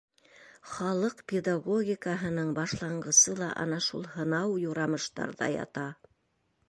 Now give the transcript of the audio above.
Халыҡ педагогикаһының башланғысы ла ана шул һынау-юрамыштарҙа ята.